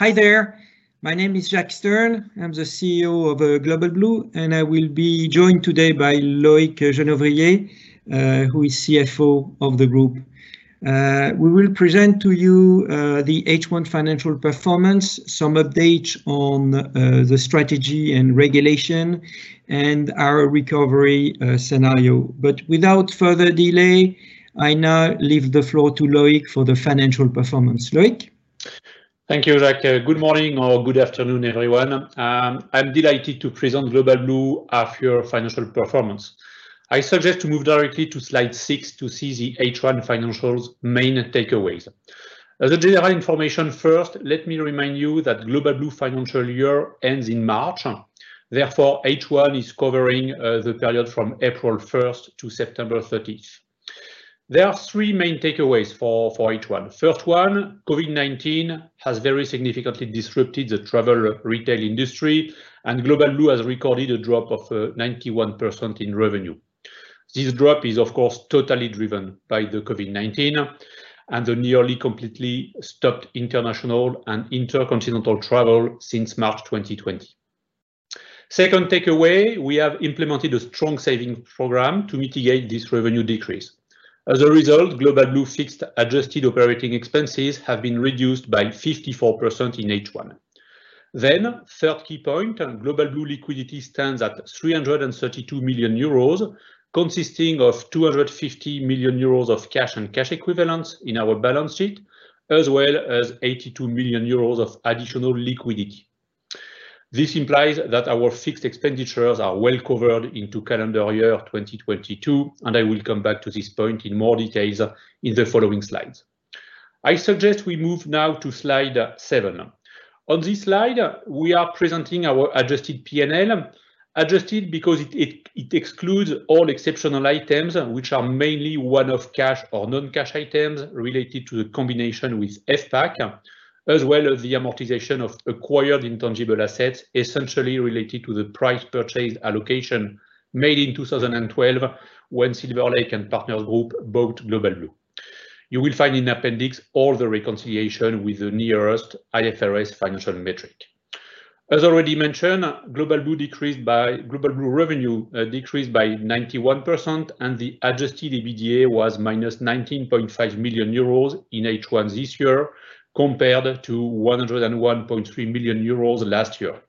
Hi there. My name is Jacques Stern. I'm the CEO of Global Blue, and I will be joined today by Loic Jenouvrier, who is CFO of the group. We will present to you the H1 financial performance, some updates on the strategy and regulation, and our recovery scenario. Without further delay, I now leave the floor to Loic for the financial performance. Loic? Thank you, Jacques. Good morning or good afternoon, everyone. I'm delighted to present Global Blue half year financial performance. I suggest to move directly to slide six to see the H1 financials main takeaways. The general information first, let me remind you that Global Blue financial year ends in March, therefore, H1 is covering the period from April 1st to September 30th. There are three main takeaways for H1. First one, COVID-19 has very significantly disrupted the travel retail industry, and Global Blue has recorded a drop of 91% in revenue. This drop is, of course, totally driven by the COVID-19 and the nearly completely stopped international and intercontinental travel since March 2020. Second takeaway, we have implemented a strong saving program to mitigate this revenue decrease. As a result, Global Blue fixed adjusted operating expenses have been reduced by 54% in H1. Third key point, Global Blue liquidity stands at 332 million euros, consisting of 250 million euros of cash and cash equivalents in our balance sheet, as well as 82 million euros of additional liquidity. This implies that our fixed expenditures are well covered into calendar year 2022, and I will come back to this point in more details in the following slides. I suggest we move now to slide seven. On this slide, we are presenting our adjusted P&L, adjusted because it excludes all exceptional items, which are mainly one-off cash or non-cash items related to the combination with FPAC, as well as the amortization of acquired intangible assets, essentially related to the price purchase allocation made in 2012, when Silver Lake and Partners Group bought Global Blue. You will find in appendix all the reconciliation with the nearest IFRS financial metric. As already mentioned, Global Blue revenue decreased by 91%, and the adjusted EBITDA was minus 19.5 million euros in H1 this year, compared to 101.3 million euros last year.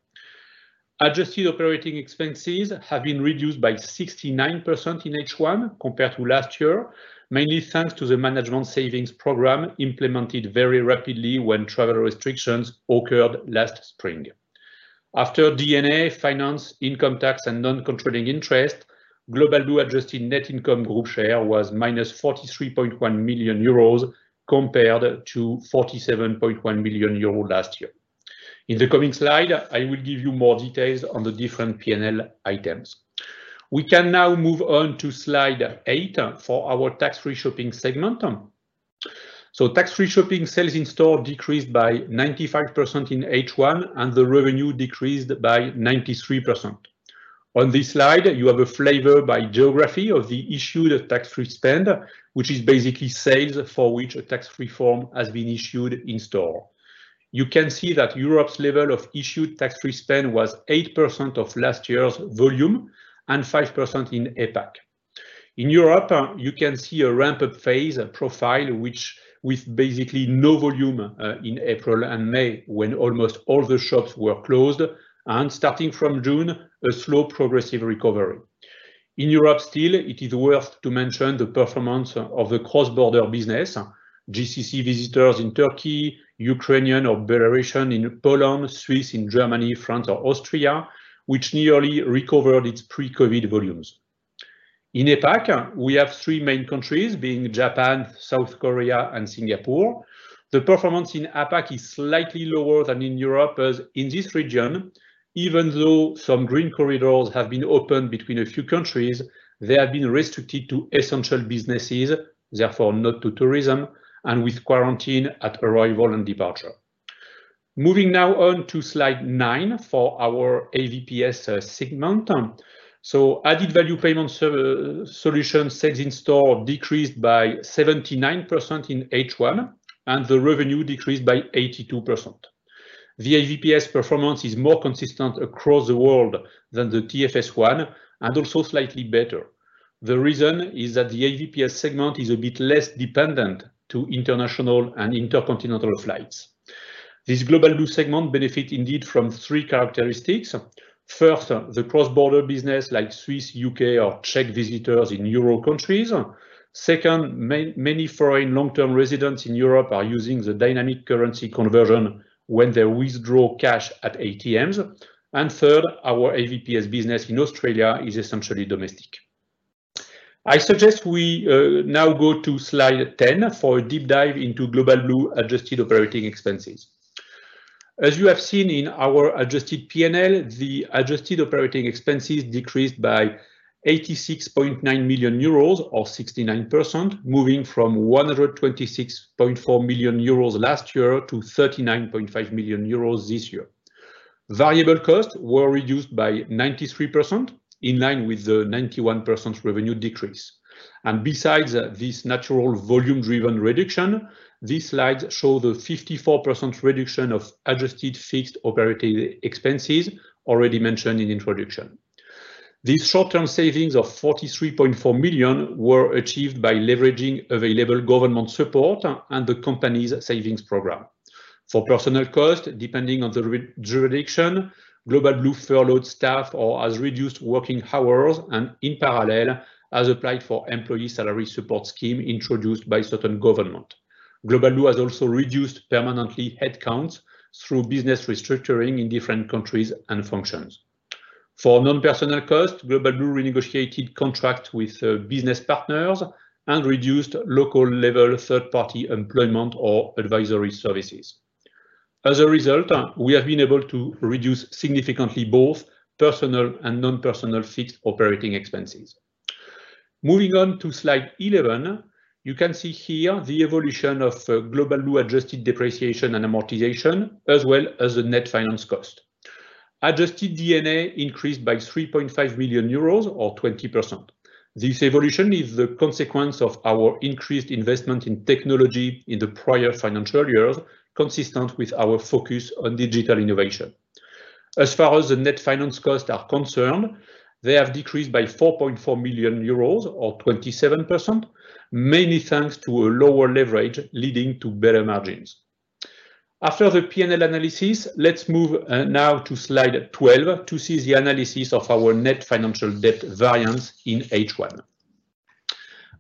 Adjusted operating expenses have been reduced by 69% in H1 compared to last year, mainly thanks to the management savings program implemented very rapidly when travel restrictions occurred last spring. After D&A, finance, income tax, and non-controlling interest, Global Blue adjusted net income group share was minus 43.1 million euros compared to 47.1 million euros last year. In the coming slide, I will give you more details on the different P&L items. We can now move on to slide eight for our tax-free shopping segment. Tax-free shopping sales in-store decreased by 95% in H1, and the revenue decreased by 93%. On this slide, you have a flavor by geography of the issued tax-free spend, which is basically sales for which a tax-free form has been issued in-store. You can see that Europe's level of issued tax-free spend was 8% of last year's volume and 5% in APAC. In Europe, you can see a ramp-up phase profile with basically no volume in April and May, when almost all the shops were closed, and starting from June, a slow progressive recovery. In Europe still, it is worth to mention the performance of the cross-border business, GCC visitors in Turkey, Ukrainian operation in Poland, Swiss in Germany, France, or Austria, which nearly recovered its pre-COVID volumes. In APAC, we have three main countries, being Japan, South Korea, and Singapore. The performance in APAC is slightly lower than in Europe, as in this region, even though some green corridors have been opened between a few countries, they have been restricted to essential businesses, therefore, not to tourism, and with quarantine at arrival and departure. Moving now on to slide nine for our AVPS segment. Added-Value Payment Solutions sales in store decreased by 79% in H1, and the revenue decreased by 82%. The AVPS performance is more consistent across the world than the TFS one and also slightly better. The reason is that the AVPS segment is a bit less dependent to international and intercontinental flights. This Global Blue segment benefit indeed from three characteristics. First, the cross-border business, like Swiss, U.K., or Czech visitors in euro countries. Second, many foreign long-term residents in Europe are using the dynamic currency conversion when they withdraw cash at ATMs. Third, our AVPS business in Australia is essentially domestic. I suggest we now go to slide 10 for a deep dive into Global Blue adjusted operating expenses. As you have seen in our adjusted P&L, the adjusted operating expenses decreased by 86.9 million euros, or 69%, moving from 126.4 million euros last year to 39.5 million euros this year. Variable costs were reduced by 93%, in line with the 91% revenue decrease. Besides this natural volume-driven reduction, these slides show the 54% reduction of adjusted fixed operating expenses already mentioned in introduction. These short-term savings of 43.4 million were achieved by leveraging available government support and the company's savings program. For personnel cost, depending on the jurisdiction, Global Blue furloughed staff, or has reduced working hours, and in parallel, has applied for employee salary support scheme introduced by certain government. Global Blue has also reduced permanently headcounts through business restructuring in different countries and functions. For non-personnel costs, Global Blue renegotiated contract with business partners and reduced local level third-party employment or advisory services. As a result, we have been able to reduce significantly both personnel and non-personnel fixed operating expenses. Moving on to slide 11, you can see here the evolution of Global Blue adjusted depreciation and amortization, as well as the net finance cost. Adjusted D&A increased by 3.5 million euros, or 20%. This evolution is the consequence of our increased investment in technology in the prior financial years, consistent with our focus on digital innovation. As far as the net finance costs are concerned, they have decreased by 4.4 million euros, or 27%, mainly thanks to a lower leverage leading to better margins. After the P&L analysis, let's move now to slide 12 to see the analysis of our net financial debt variance in H1.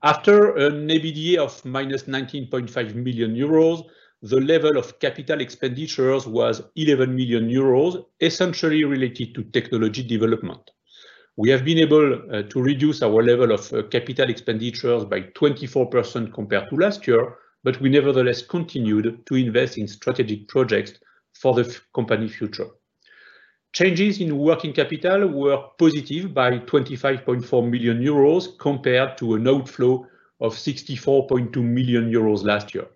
After an EBITDA of -19.5 million euros, the level of capital expenditures was 11 million euros, essentially related to technology development. We have been able to reduce our level of capital expenditures by 24% compared to last year, but we nevertheless continued to invest in strategic projects for the company future. Changes in working capital were positive by 25.4 million euros compared to an outflow of 64.2 million euros last year.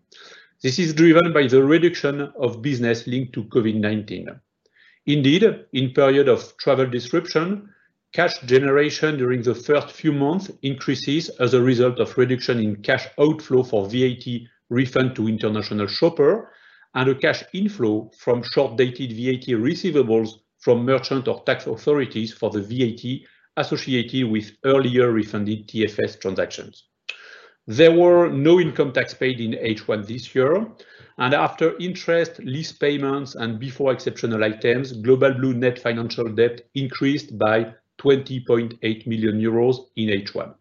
This is driven by the reduction of business linked to COVID-19. Indeed, in period of travel disruption, cash generation during the first few months increases as a result of reduction in cash outflow for VAT refund to international shopper and a cash inflow from short-dated VAT receivables from merchant or tax authorities for the VAT associated with earlier refunded TFS transactions. After interest, lease payments, and before exceptional items, Global Blue net financial debt increased by 20.8 million euros in H1.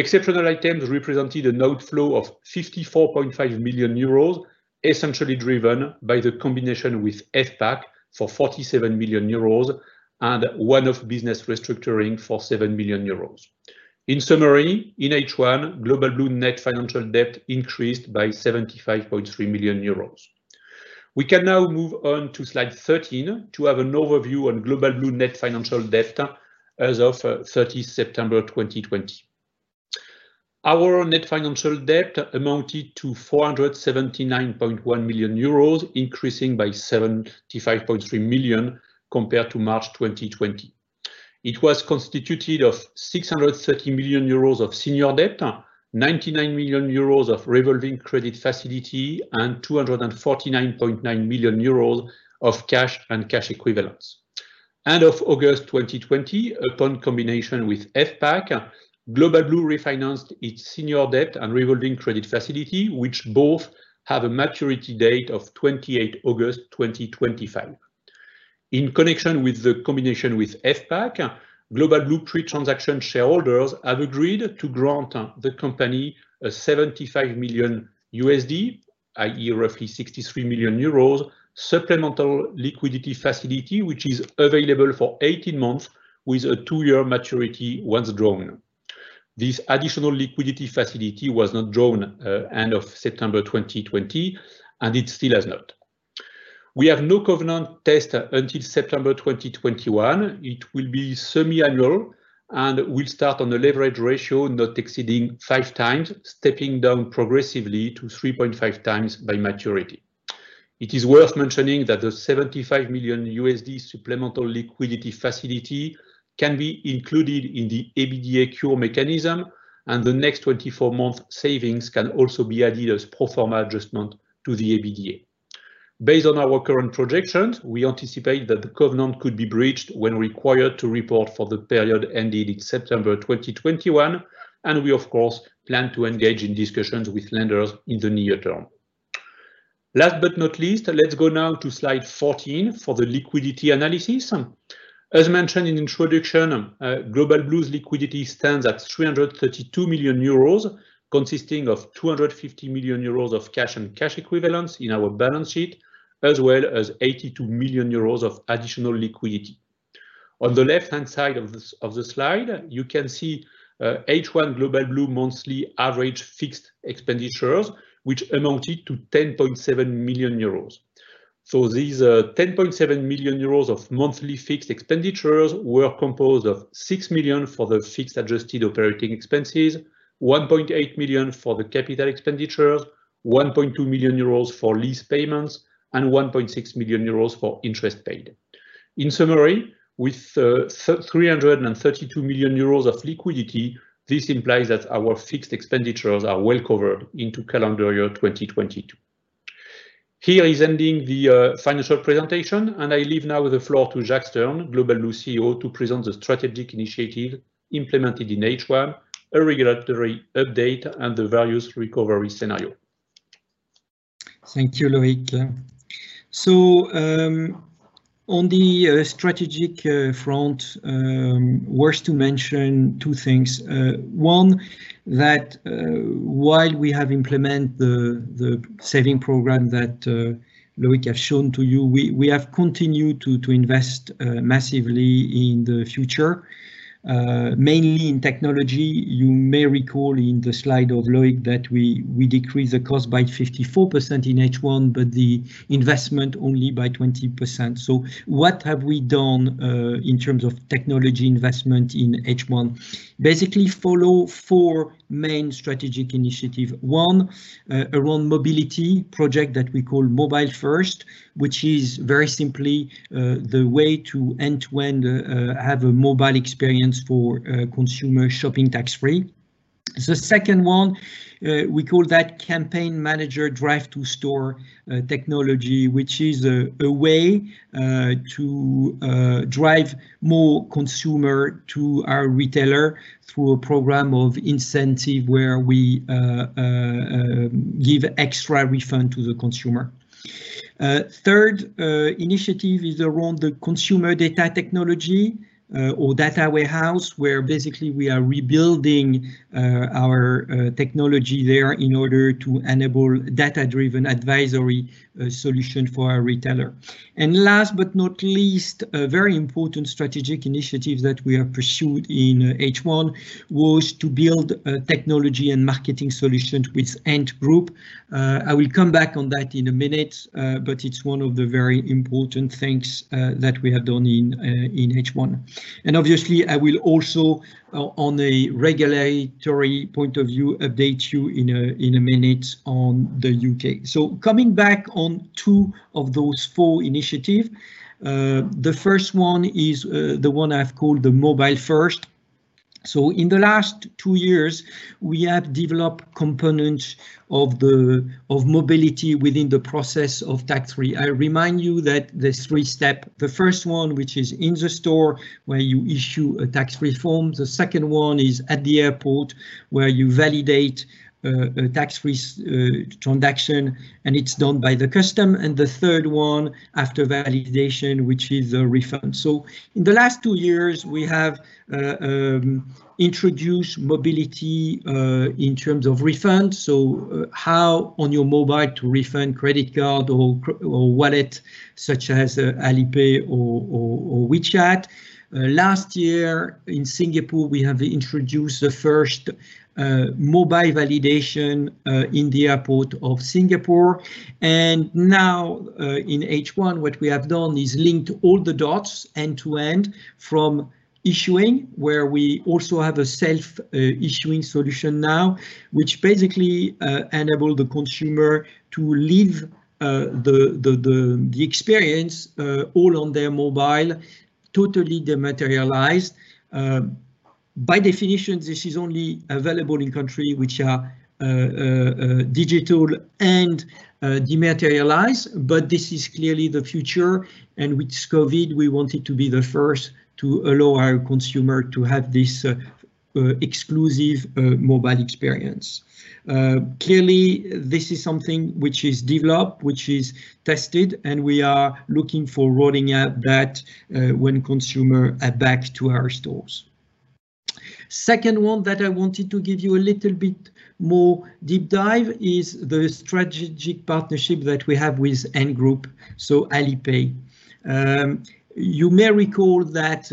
Exceptional items represented an outflow of 54.5 million euros, essentially driven by the combination with FPAC for 47 million euros and one-off business restructuring for seven million euros. In summary, in H1, Global Blue net financial debt increased by 75.3 million euros. We can now move on to slide 13 to have an overview on Global Blue net financial debt as of 30 September 2020. = Our net financial debt amounted to 479.1 million euros, increasing by 75.3 million compared to March 2020. It was constituted of 630 million euros of senior debt, 99 million euros of revolving credit facility, and 249.9 million euros of cash and cash equivalents. End of August 2020, upon combination with FPAC, Global Blue refinanced its senior debt and revolving credit facility, which both have a maturity date of 28 August 2025. In connection with the combination with FPAC, Global Blue pre-transaction shareholders have agreed to grant the company a $75 million, i.e., roughly 63 million euros, supplemental liquidity facility, which is available for 18 months with a two-year maturity once drawn. This additional liquidity facility was not drawn end of September 2020, and it still has not. We have no covenant test until September 2021. It will be semi-annual and will start on a leverage ratio not exceeding 5x, stepping down progressively to 3.5x by maturity. It is worth mentioning that the $75 million supplemental liquidity facility can be included in the EBITDA cure mechanism, and the next 24-month savings can also be added as pro forma adjustment to the EBITDA. Based on our current projections, we anticipate that the covenant could be breached when required to report for the period ending in September 2021, and we, of course, plan to engage in discussions with lenders in the near term. Last but not least, let's go now to slide 14 for the liquidity analysis. As mentioned in introduction, Global Blue's liquidity stands at 332 million euros, consisting of 250 million euros of cash and cash equivalents in our balance sheet, as well as 82 million euros of additional liquidity. On the left-hand side of the slide, you can see H1 Global Blue monthly average fixed expenditures, which amounted to 10.7 million euros. These 10.7 million euros of monthly fixed expenditures were composed of 6 million for the fixed adjusted operating expenses, 1.8 million for the capital expenditures, 1.2 million euros for lease payments and 1.6 million euros for interest paid. In summary, with 332 million euros of liquidity, this implies that our fixed expenditures are well covered into calendar year 2022. Here is ending the financial presentation, I leave now the floor to Jacques Stern, Global Blue CEO, to present the strategic initiative implemented in H1, a regulatory update, and the various recovery scenario. Thank you, Loic. On the strategic front, worth to mention two things. One, that while we have implemented the saving program that Loic has shown to you, we have continued to invest massively in the future, mainly in technology. You may recall in the slide of Loic that we decrease the cost by 54% in H1, but the investment only by 20%. What have we done in terms of technology investment in H1? Basically follow four main strategic initiative. One, around mobility project that we call Mobile First, which is very simply the way to end-to-end have a mobile experience for consumer shopping tax-free. The second one, we call that Campaign Manager Drive to Store technology, which is a way to drive more consumer to our retailer through a program of incentive where we give extra refund to the consumer. Third initiative is around the consumer data technology, or data warehouse, where basically we are rebuilding our technology there in order to enable data-driven advisory solution for our retailer. Last but not least, a very important strategic initiative that we have pursued in H1 was to build technology and marketing solutions with Ant Group. I will come back on that in a minute, but it's one of the very important things that we have done in H1. Obviously, I will also, on a regulatory point of view, update you in a minute on the U.K. Coming back on two of those four initiatives, the first one is the one I've called the Mobile First. In the last two years, we have developed components of mobility within the process of tax-free. I remind you that there's three steps. The first one, which is in the store, where you issue a tax-free form. The second one is at the airport, where you validate a tax-free transaction. It is done by the customs. The third one, after validation, is a refund. In the last two years, we have introduced mobility, in terms of refund. How on your mobile to refund credit card or wallet such as Alipay or WeChat. Last year in Singapore, we have introduced the first mobile validation in the airport of Singapore. Now, in H1, what we have done is linked all the dots end to end from issuing, where we also have a self-issuing solution now, which basically enable the consumer to live the experience all on their mobile, totally dematerialized. By definition, this is only available in country which are digital and dematerialized. This is clearly the future. With COVID-19, we wanted to be the first to allow our consumer to have this exclusive mobile experience. Clearly, this is something which is developed, which is tested, and we are looking for rolling out that when consumer are back to our stores. Second one that I wanted to give you a little bit more deep dive is the strategic partnership that we have with Ant Group, so Alipay. You may recall that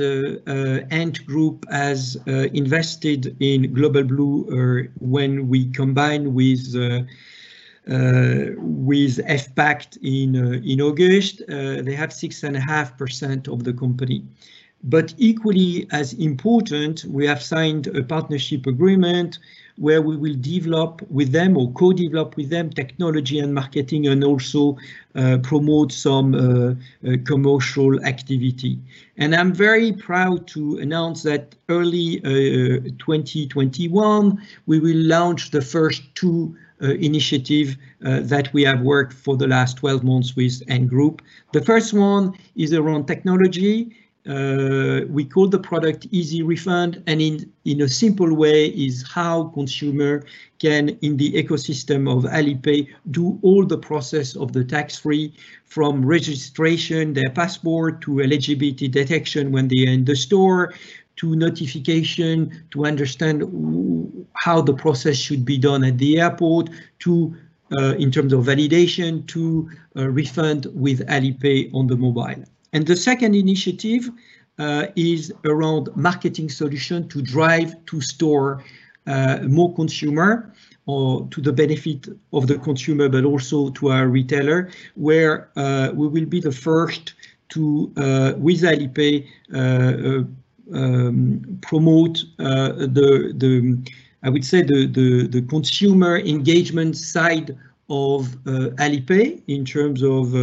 Ant Group has invested in Global Blue when we combined with FPAC in August. They have 6.5% of the company. Equally as important, we have signed a partnership agreement where we will develop with them, or co-develop with them, technology and marketing and also promote some commercial activity. I'm very proud to announce that early 2021, we will launch the first two initiative that we have worked for the last 12 months with Ant Group. The first one is around technology. We call the product Easy Refund, and in a simple way is how consumer can, in the ecosystem of Alipay, do all the process of the tax-free from registration, their passport, to eligibility detection when they are in the store, to notification, to understand how the process should be done at the airport, to, in terms of validation, to refund with Alipay on the mobile. The second initiative is around marketing solution to drive to store more consumer or to the benefit of the consumer, but also to our retailer, where we will be the first to, with Alipay, promote, I would say, the consumer engagement side of Alipay in terms of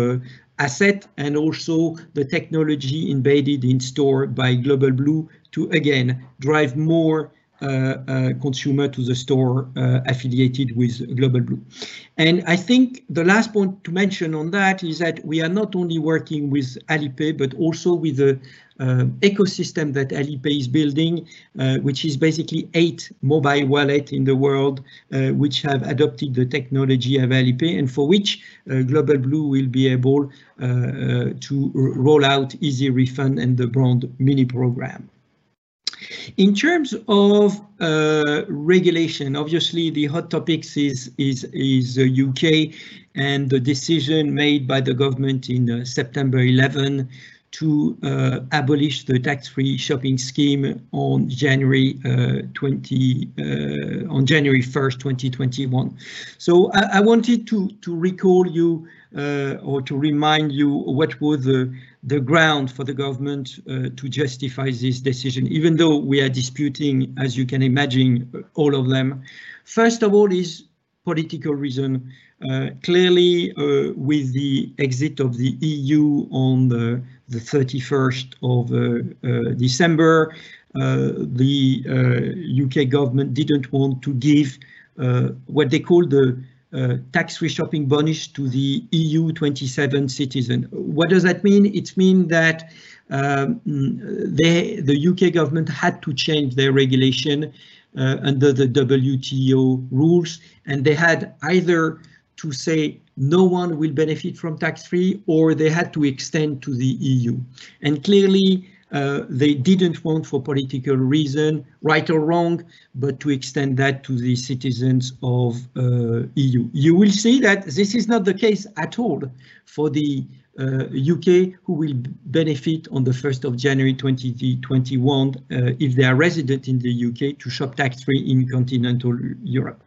asset and also the technology embedded in store by Global Blue to again, drive more consumer to the store affiliated with Global Blue. I think the last point to mention on that is that we are not only working with Alipay, but also with the ecosystem that Alipay is building, which is basically eight mobile wallet in the world, which have adopted the technology of Alipay, and for which Global Blue will be able to roll out Easy Refund and the brand mini-program. In terms of regulation, obviously, the hot topic is the U.K. and the decision made by the government on September 11 to abolish the tax-free shopping scheme on January 1st, 2021. I wanted to remind you what was the ground for the government to justify this decision, even though we are disputing, as you can imagine, all of them. First of all is political reason. Clearly, with the exit of the EU on the 31st of December, the U.K. government didn't want to give what they call the tax-free shopping bonus to the EU 27 citizens. What does that mean? It means that the U.K. government had to change their regulation under the WTO rules, and they had either to say no one will benefit from tax-free, or they had to extend to the EU. Clearly, they didn't want, for political reason, right or wrong, but to extend that to the citizens of EU. You will see that this is not the case at all for the U.K., who will benefit on the 1st of January 2021, if they are resident in the U.K., to shop tax-free in continental Europe.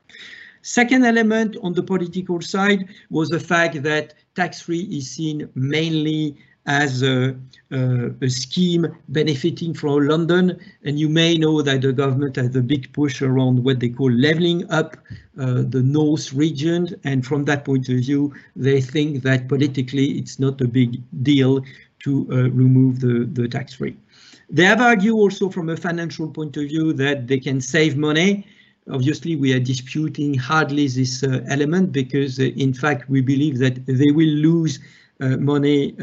Second element on the political side was the fact that tax-free is seen mainly as a scheme benefiting from London. You may know that the government has a big push around what they call Leveling Up the North Region. From that point of view, they think that politically it's not a big deal to remove the tax-free. They have argued also from a financial point of view that they can save money. Obviously, we are disputing hardly this element because, in fact, we believe that they will lose money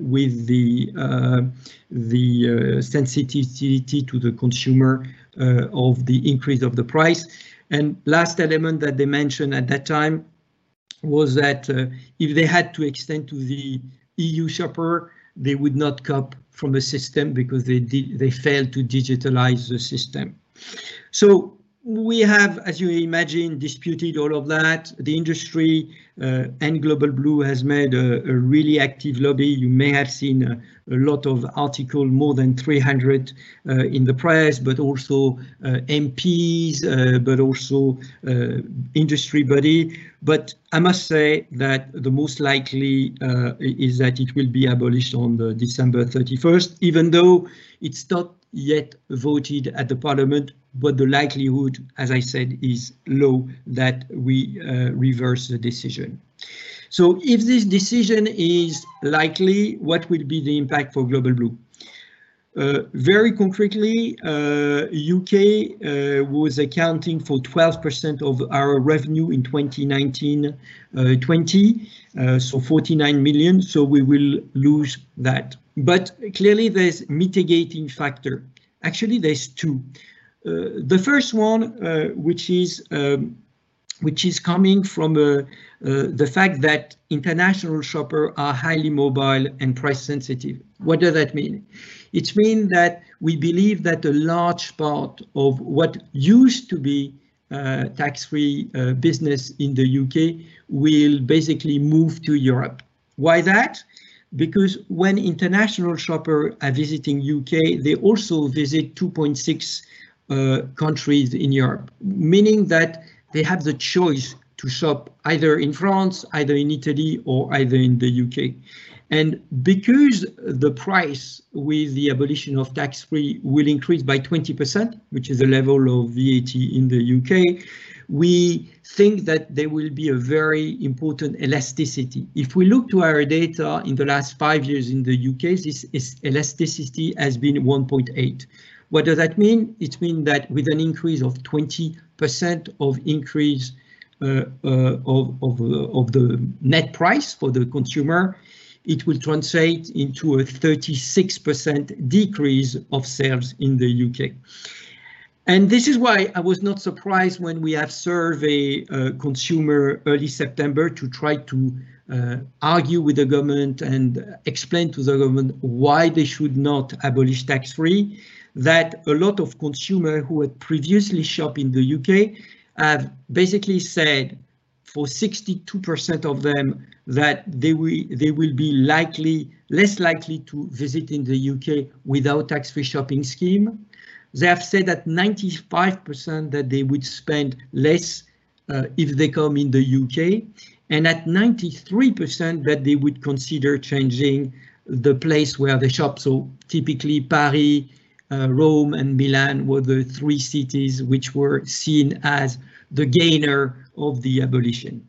with the sensitivity to the consumer of the increase of the price. Last element that they mentioned at that time was that if they had to extend to the EU shopper, they would not cope from the system because they failed to digitalize the system. We have, as you imagine, disputed all of that. The industry and Global Blue has made a really active lobby. You may have seen a lot of articles, more than 300 in the press, but also MPs, but also industry body. I must say that the most likely is that it will be abolished on December 31st, even though it's not yet voted at the parliament, but the likelihood, as I said, is low that we reverse the decision. If this decision is likely, what will be the impact for Global Blue? Very concretely, U.K. was accounting for 12% of our revenue in 2019/20, so 49 million, so we will lose that. Clearly, there's mitigating factor. Actually, there's two. The first one, which is coming from the fact that international shoppers are highly mobile and price-sensitive. What does that mean? It means that we believe that a large part of what used to be tax-free business in the U.K. will basically move to Europe. Why that? When international shoppers are visiting U.K., they also visit 2.6 countries in Europe, meaning that they have the choice to shop either in France, either in Italy, or either in the U.K. Because the price with the abolition of tax-free will increase by 20%, which is the level of VAT in the U.K., we think that there will be a very important elasticity. If we look to our data in the last five years in the U.K., this elasticity has been 1.8. What does that mean? It means that with an increase of 20% of increase of the net price for the consumer, it will translate into a 36% decrease of sales in the U.K. This is why I was not surprised when we have surveyed consumers early September to try to argue with the government and explain to the government why they should not abolish tax-free, that a lot of consumers who had previously shopped in the U.K. have basically said, for 62% of them, that they will be less likely to visit in the U.K. without tax-free shopping scheme. They have said that 95% that they would spend less if they come in the U.K., and at 93%, that they would consider changing the place where they shop. Typically, Paris, Rome, and Milan were the three cities which were seen as the gainer of the abolition.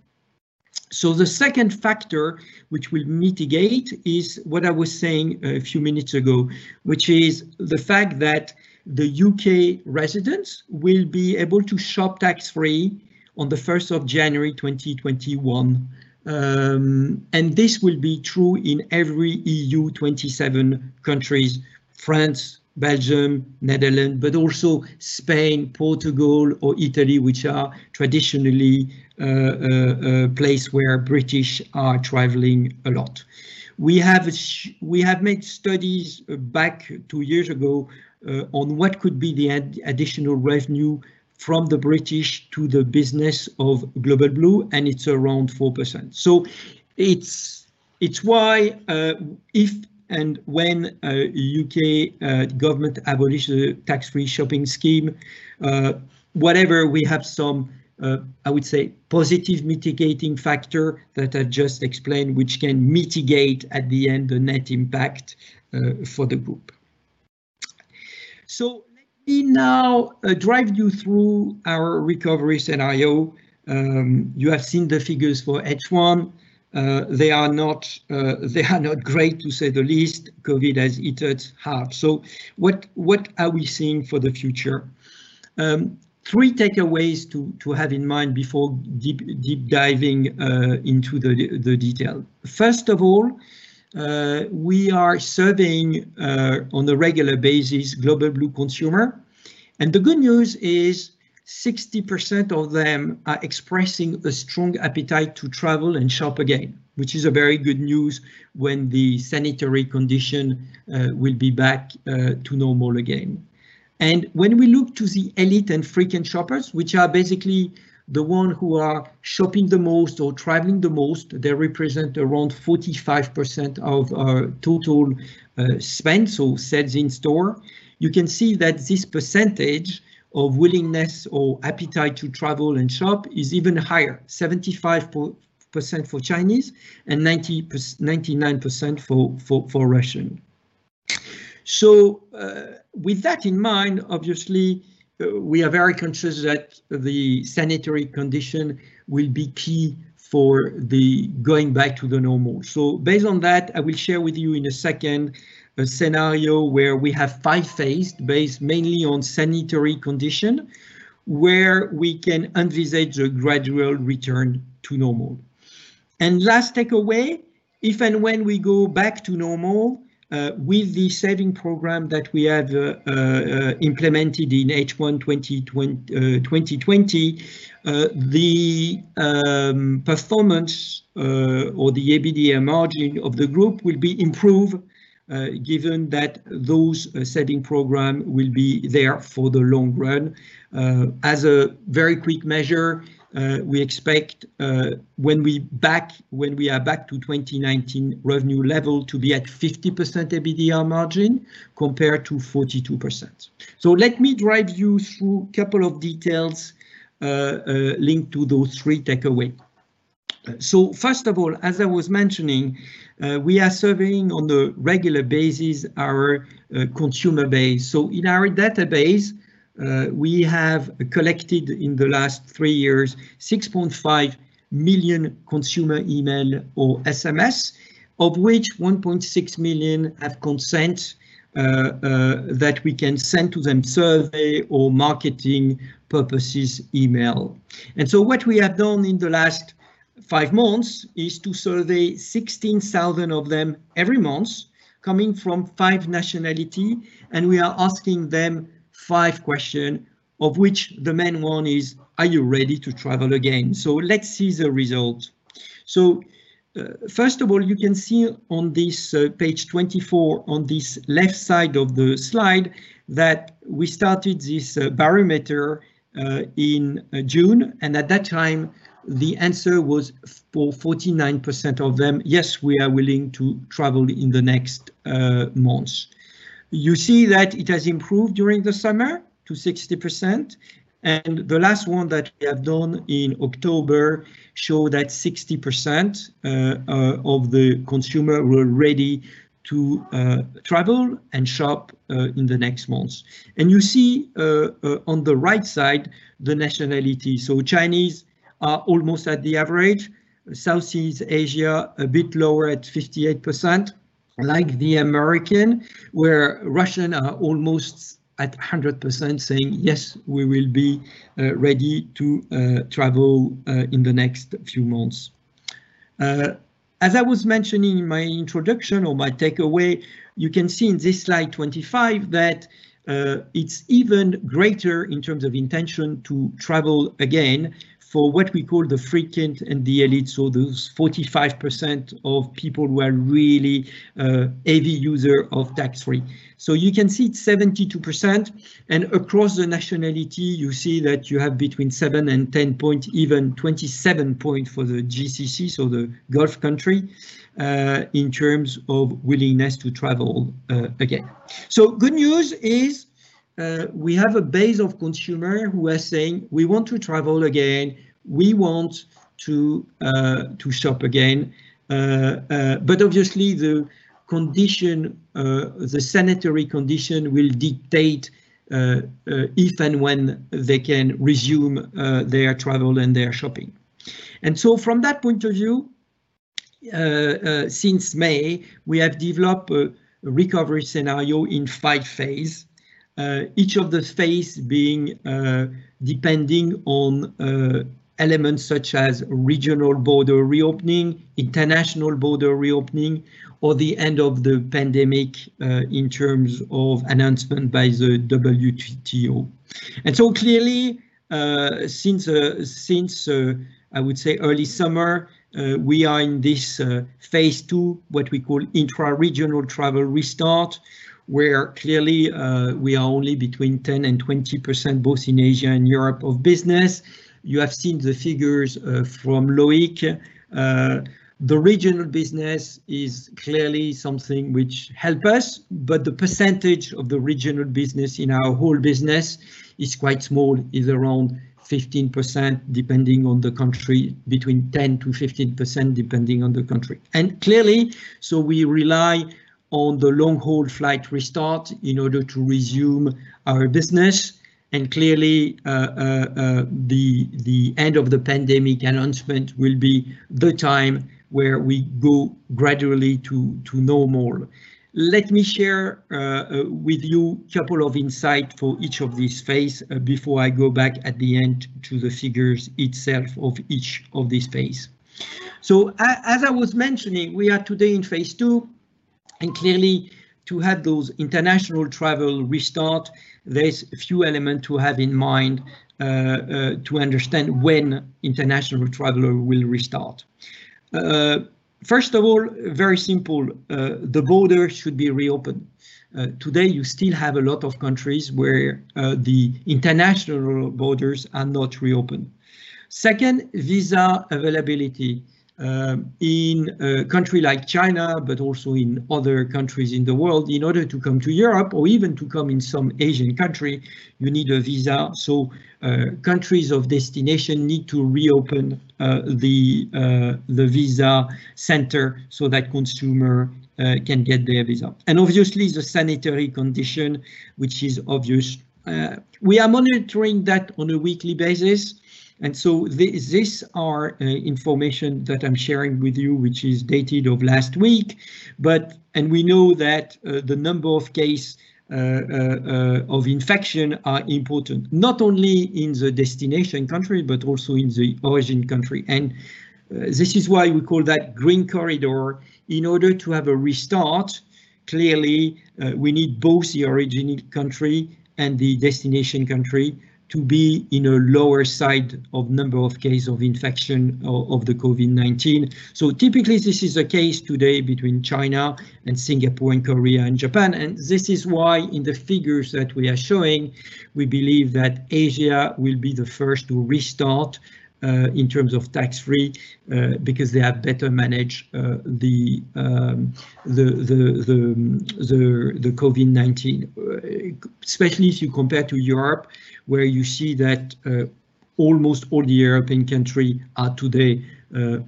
The second factor which will mitigate is what I was saying a few minutes ago, which is the fact that the U.K. residents will be able to shop tax-free on the 1st of January 2021. This will be true in every EU 27 countries, France, Belgium, Netherlands, but also Spain, Portugal or Italy, which are traditionally places where British are traveling a lot. We have made studies back two years ago on what could be the additional revenue from the British to the business of Global Blue, and it's around 4%. It's why, if and when, U.K. government abolishes tax-free shopping scheme, whatever we have some, I would say, positive mitigating factor that I just explained, which can mitigate at the end, the net impact for the group. Let me now drive you through our recovery scenario. You have seen the figures for H1. They are not great, to say the least. COVID-19 has hit us hard. What are we seeing for the future? three takeaways to have in mind before deep diving into the detail. First of all, we are serving on a regular basis Global Blue consumer, and the good news is 60% of them are expressing a strong appetite to travel and shop again, which is a very good news when the sanitary condition will be back to normal again. When we look to the elite and frequent shoppers, which are basically the one who are shopping the most or traveling the most, they represent around 45% of our total spend, so sales in store. You can see that this percentage of willingness or appetite to travel and shop is even higher, 75% for Chinese and 99% for Russian. With that in mind, obviously, we are very conscious that the sanitary condition will be key for the going back to the normal. Based on that, I will share with you in a second, a scenario where we have five phases based mainly on sanitary condition, where we can envisage a gradual return to normal. Last takeaway, if and when we go back to normal, with the saving program that we have implemented in H1 2020, the performance, or the EBITDA margin of the group will be improved, given that those saving program will be there for the long run. As a very quick measure, we expect when we are back to 2019 revenue level to be at 50% EBITDA margin compared to 42%. Let me drive you through couple of details linked to those three takeaway. First of all, as I was mentioning, we are surveying on a regular basis our consumer base. In our database, we have collected in the last three years, 6.5 million consumer email or SMS, of which 1.6 million have consent that we can send to them survey or marketing purposes email. What we have done in the last five months is to survey 16,000 of them every month, coming from five nationalities, and we are asking them five questions, of which the main one is, are you ready to travel again? Let's see the result. First of all, you can see on this page 24, on this left side of the slide that we started this barometer in June. At that time, the answer was for 49% of them, "Yes, we are willing to travel in the next months." You see that it has improved during the summer to 60%. The last one that we have done in October show that 60% of the consumer were ready to travel and shop in the next months. You see, on the right side, the nationality. Chinese are almost at the average, Southeast Asia, a bit lower at 58%, like the American, where Russian are almost at 100% saying, "Yes, we will be ready to travel in the next few months." As I was mentioning in my introduction or my takeaway, you can see in this slide 25 that it's even greater in terms of intention to travel again for what we call the frequent and the elite. Those 45% of people who are really heavy users of tax-free. You can see it's 72%, and across the nationality, you see that you have between seven and 10 points, even 27 points for the GCC, so the Gulf country, in terms of willingness to travel again. Good news is, we have a base of consumers who are saying, "We want to travel again. We want to shop again. Obviously, the sanitary conditions will dictate if and when they can resume their travel and their shopping. From that point of view, since May, we have developed a recovery scenario in five phases. Each of the phases depending on elements such as regional border reopening, international border reopening, or the end of the pandemic, in terms of announcement by the World Health Organization. Clearly, since I would say early summer, we are in this phase 2, what we call intra-regional travel restart, where clearly we are only between 10%-20%, both in Asia and Europe, of business. You have seen the figures from Loic. The regional business is clearly something which help us, the percentage of the regional business in our whole business is quite small. It's around 15%, depending on the country, between 10%-15%, depending on the country. Clearly, we rely on the long-haul flight restart in order to resume our business. Clearly, the end of the pandemic announcement will be the time where we go gradually to normal. Let me share with you a couple of insight for each of these phases before I go back at the end to the figures itself of each of these phases. As I was mentioning, we are today in phase 2, clearly to have those international travel restart, there's a few elements to have in mind to understand when international travel will restart. First of all, very simple, the border should be reopened. Today, you still have a lot of countries where the international borders are not reopened. Second, visa availability. In a country like China, but also in other countries in the world, in order to come to Europe or even to come in some Asian country, you need a visa. Countries of destination need to reopen the visa center so that consumer can get their visa. Obviously, the sanitary condition, which is obvious. We are monitoring that on a weekly basis, and so these are information that I'm sharing with you, which is dated of last week. We know that the number of case of infection are important, not only in the destination country, but also in the origin country. This is why we call that green corridor. In order to have a restart, clearly, we need both the origin country and the destination country to be in a lower side of number of case of infection of the COVID-19. Typically, this is the case today between China and Singapore and Korea and Japan. This is why in the figures that we are showing, we believe that Asia will be the first to restart in terms of tax-free, because they have better managed the COVID-19. Especially if you compare to Europe, where you see that almost all the European country are today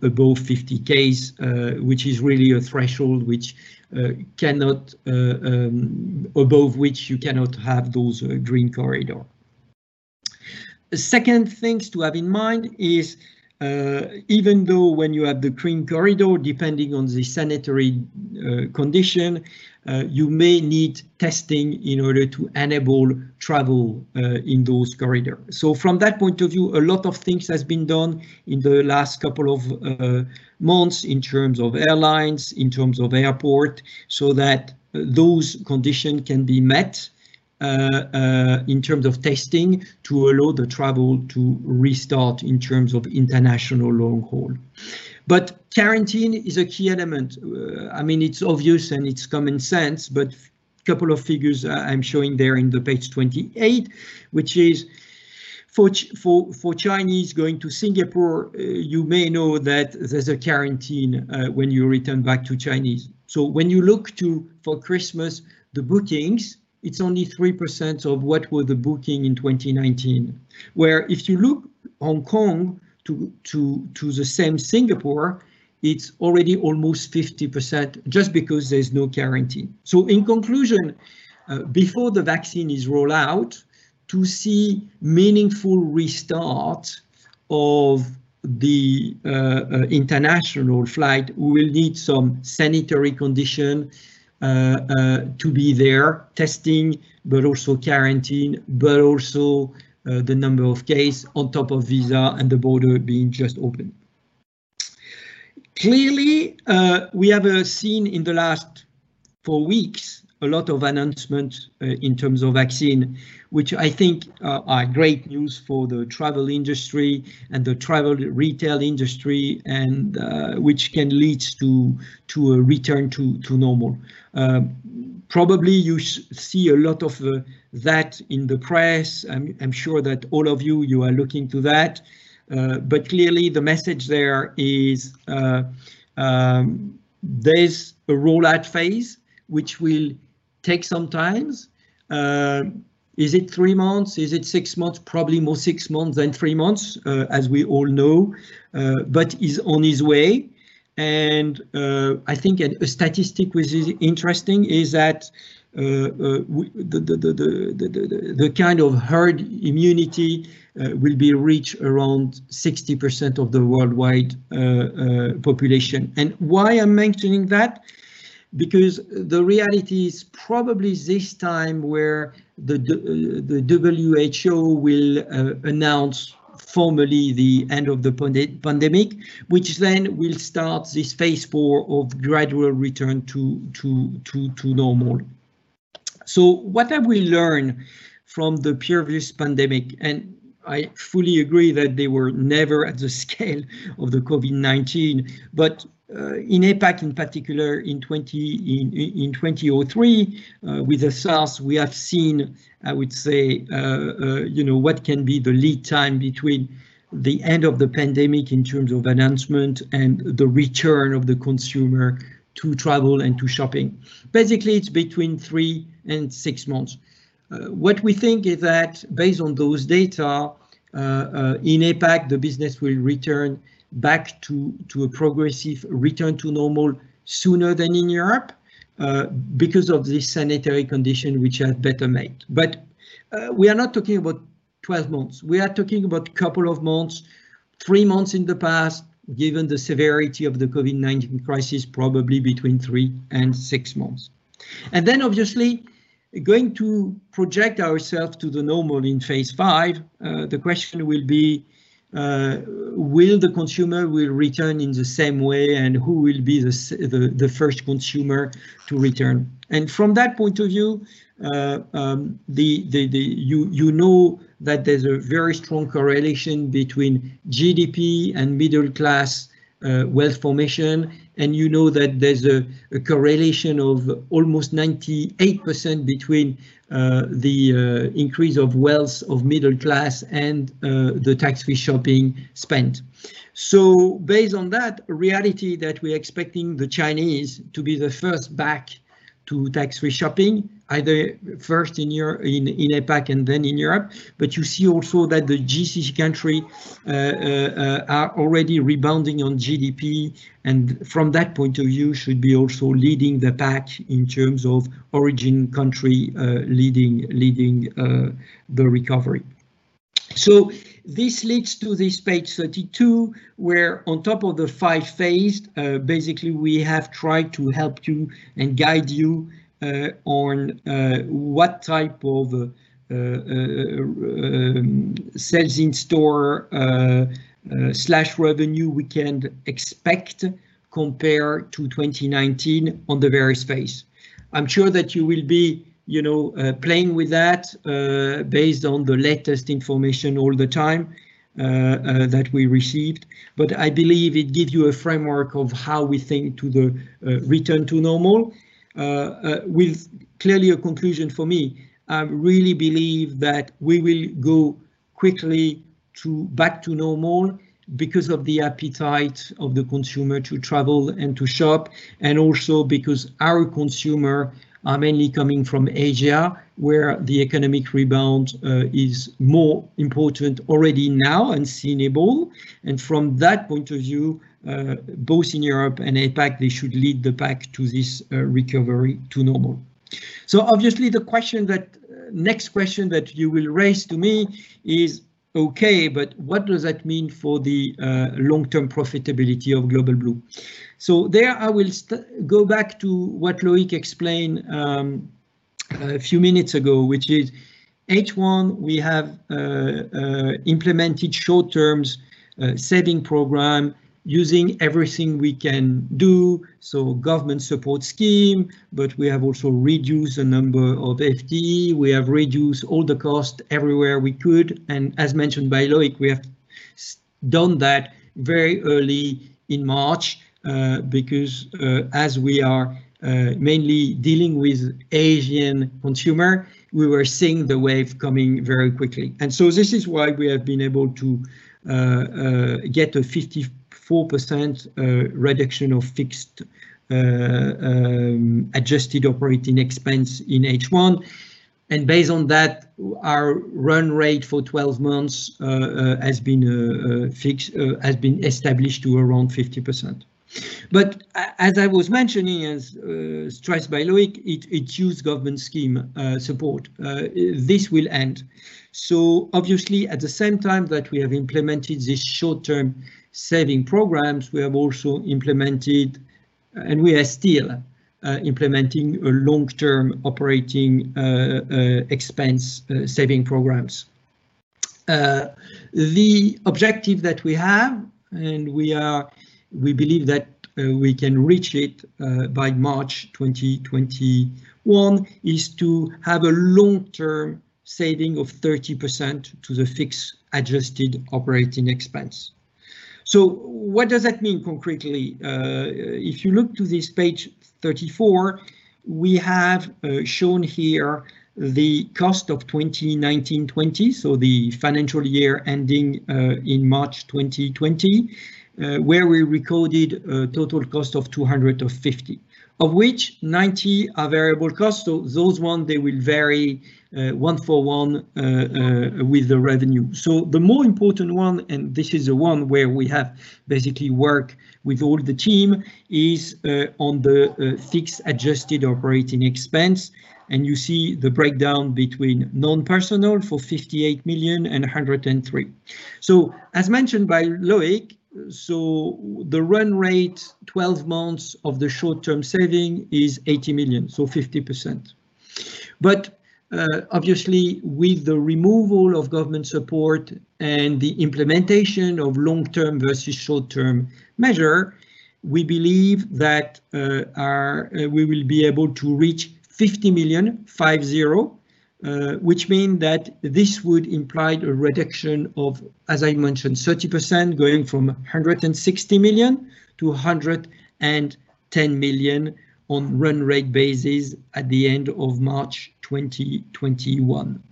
above 50 case, which is really a threshold above which you cannot have those green corridor. The second things to have in mind is, even though when you have the green corridor, depending on the sanitary condition, you may need testing in order to enable travel in those corridors. From that point of view, a lot of things has been done in the last couple of months in terms of airlines, in terms of airport, so that those condition can be met in terms of testing to allow the travel to restart in terms of international long haul. Quarantine is a key element. It's obvious and it's common sense, but couple of figures I'm showing there in the page 28, which is for Chinese going to Singapore, you may know that there's a quarantine when you return back to Chinese. When you look to, for Christmas, the bookings, it's only 3% of what were the booking in 2019. Where if you look Hong Kong to the same Singapore, it's already almost 50%, just because there's no quarantine. In conclusion, before the vaccine is rolled out to see meaningful restart of the international flight, we will need some sanitary condition to be there, testing, but also quarantine, but also the number of case on top of visa and the border being just open. Clearly, we have seen in the last four weeks a lot of announcement in terms of vaccine, which I think are great news for the travel industry and the travel retail industry and which can lead to a return to normal. Probably you see a lot of that in the press. I'm sure that all of you are looking to that. Clearly the message there is, there's a rollout phase which will take some times. Is it three months? Is it six months? Probably more six months than three months, as we all know. Is on its way. I think a statistic which is interesting is that the kind of herd immunity will be reached around 60% of the worldwide population. Why I'm mentioning that? Because the reality is probably this time where the WHO will announce formally the end of the pandemic, which will start this phase 4 of gradual return to normal. What have we learned from the previous pandemic? I fully agree that they were never at the scale of the COVID-19, but in APAC, in particular in 2003, with the SARS, we have seen, I would say, what can be the lead time between the end of the pandemic in terms of announcement and the return of the consumer to travel and to shopping. Basically, it is between three and six months. What we think is that based on those data, in APAC, the business will return back to a progressive return to normal sooner than in Europe, because of the sanitary condition, which are better made. We are not talking about 12 months. We are talking about two months, three months in the past, given the severity of the COVID-19 crisis, probably between three and six months. Obviously, going to project ourselves to the normal in phase five, the question will be, will the consumer return in the same way, and who will be the first consumer to return? From that point of view, you know that there's a very strong correlation between GDP and middle class wealth formation, and you know that there's a correlation of almost 98% between the increase of wealth of middle class and the tax-free shopping spent. Based on that reality, that we're expecting the Chinese to be the first back to tax-free shopping, either first in APAC and then in Europe, but you see also that the GCC countries are already rebounding on GDP, and from that point of view, should be also leading the pack in terms of origin country leading the recovery. This leads to this page 32, where on top of the five phases, basically we have tried to help you and guide you on what type of sales in store/revenue we can expect compared to 2019 on the various phases. I'm sure that you will be playing with that, based on the latest information all the time that we received. I believe it gives you a framework of how we think to the return to normal, with clearly a conclusion for me. I really believe that we will go quickly back to normal because of the appetite of the consumer to travel and to shop, and also because our consumer are mainly coming from Asia, where the economic rebound is more important already now and sustainable. From that point of view, both in Europe and APAC, they should lead the pack to this recovery to normal. Obviously the next question that you will raise to me is, okay, but what does that mean for the long-term profitability of Global Blue? There I will go back to what Loic explained a few minutes ago, which is H1, we have implemented short-term saving program using everything we can do, so government support scheme, but we have also reduced the number of FTE, we have reduced all the cost everywhere we could. As mentioned by Loic, we have done that very early in March, because as we are mainly dealing with Asian consumer, we were seeing the wave coming very quickly. This is why we have been able to get a 54% reduction of fixed adjusted operating expense in H1. Based on that, our run rate for 12 months has been established to around 50%. As I was mentioning, as stressed by Loic, it used government scheme support. This will end. Obviously at the same time that we have implemented this short-term saving programs, we have also implemented, and we are still implementing, a long-term operating expense saving programs. The objective that we have, and we believe that we can reach it by March 2021, is to have a long-term saving of 30% to the fixed adjusted operating expense. What does that mean concretely? If you look to this page 34, we have shown here the cost of 2019/2020, so the financial year ending in March 2020, where we recorded a total cost of 250 million, of which 90 million are variable cost. Those one, they will vary 1:1 with the revenue. The more important one, and this is the one where we have basically worked with all the team, is on the fixed adjusted operating expense. You see the breakdown between non-personnel for 58 million and 103 million. As mentioned by Loic, the run rate 12 months of the short-term saving is 80 million, 50%. Obviously, with the removal of government support and the implementation of long-term versus short-term measure, we believe that we will be able to reach 50 million, five, zero. Which mean that this would imply a reduction of, as I mentioned, 30% going from 160 million-110 million on run rate basis at the end of March 2021.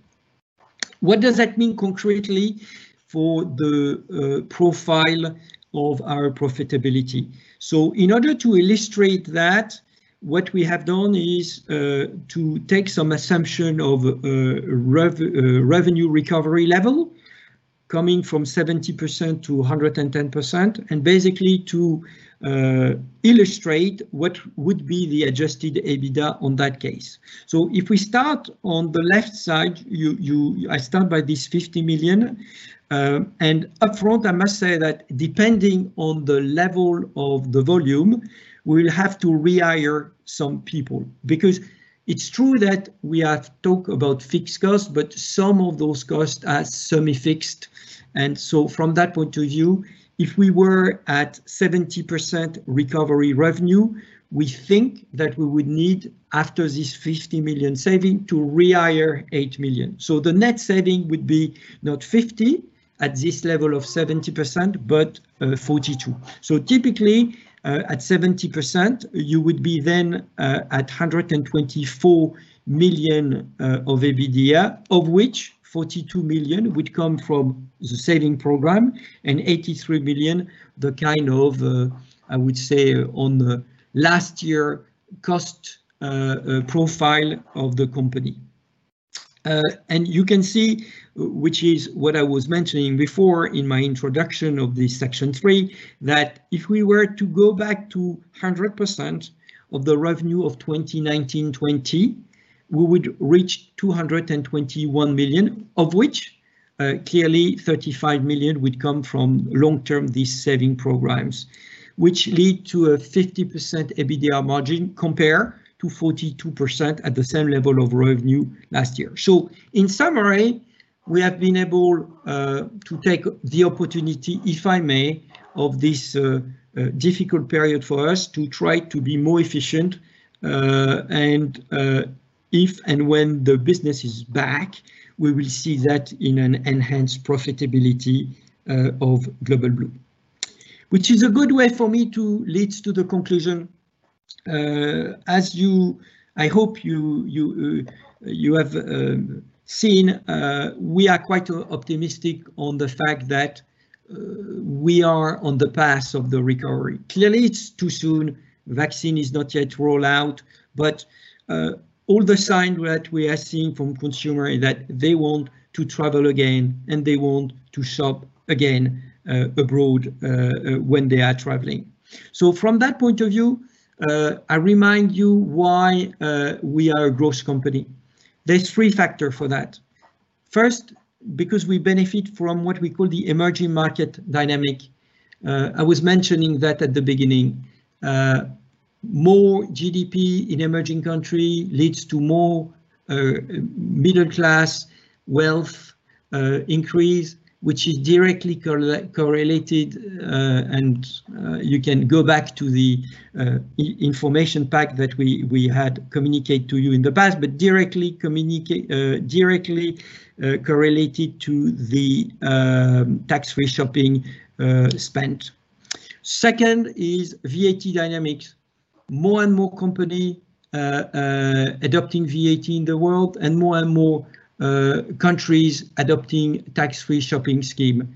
What does that mean concretely for the profile of our profitability? In order to illustrate that, what we have done is to take some assumption of revenue recovery level coming from 70%-110%, and basically to illustrate what would be the adjusted EBITDA on that case. If we start on the left side, I start by this 50 million. Upfront, I must say that depending on the level of the volume, we'll have to rehire some people. It's true that we have talk about fixed cost, but some of those costs are semi-fixed. From that point of view, if we were at 70% recovery revenue, we think that we would need, after this 50 million saving, to rehire 8 million. The net saving would be not 50 million at this level of 70%, but 42 million. Typically, at 70%, you would be then at 124 million of EBITDA, of which 42 million would come from the saving program and 83 million the kind of, I would say on the last year, cost profile of the company. You can see, which is what I was mentioning before in my introduction of this section three, that if we were to go back to 100% of the revenue of 2019/20, we would reach 221 million, of which clearly 35 million would come from long-term, these saving programs. Which lead to a 50% EBITDA margin compare to 42% at the same level of revenue last year. In summary, we have been able to take the opportunity, if I may, of this difficult period for us to try to be more efficient. If and when the business is back, we will see that in an enhanced profitability of Global Blue. Which is a good way for me to lead to the conclusion. As I hope you have seen, we are quite optimistic on the fact that we are on the path of the recovery. Clearly, it's too soon, vaccine is not yet rolled out. All the signs that we are seeing from consumer is that they want to travel again, and they want to shop again abroad, when they are traveling. From that point of view, I remind you why we are a growth company. There's three factor for that. First, because we benefit from what we call the emerging market dynamic. I was mentioning that at the beginning. More GDP in emerging country leads to more middle class, wealth increase, which is directly correlated, and you can go back to the information pack that we had communicate to you in the past. Directly correlated to the tax-free shopping spend. Second is VAT dynamics. More and more company are adopting VAT in the world, and more and more countries adopting tax-free shopping scheme.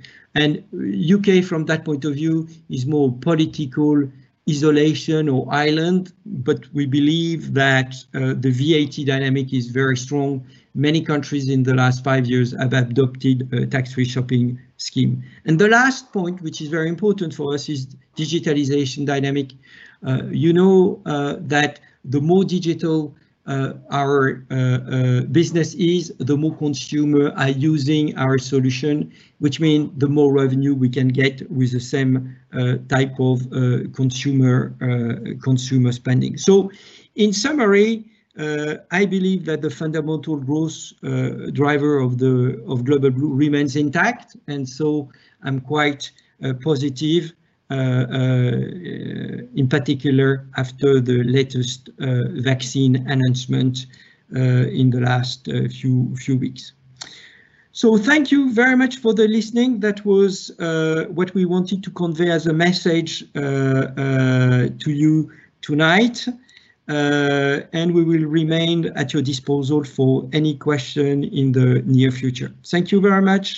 U.K., from that point of view, is more political isolation or island, but we believe that the VAT dynamic is very strong. Many countries in the last five years have adopted a tax-free shopping scheme. The last point, which is very important for us, is digitalization dynamic. You know that the more digital our business is, the more consumers are using our solution, which means the more revenue we can get with the same type of consumer spending. In summary, I believe that the fundamental growth driver of Global Blue remains intact. I'm quite positive, in particular after the latest vaccine announcement in the last few weeks. Thank you very much for the listening. That was what we wanted to convey as a message to you tonight. We will remain at your disposal for any question in the near future. Thank you very much.